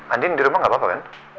andin di rumah gak apa apa kan